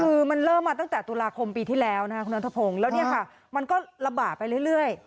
คือมันเริ่มมาตั้งแต่ตุลาคมปีที่แล้วนะครับคุณนัทพงศ์แล้วเนี่ยค่ะมันก็ระบาดไปเรื่อย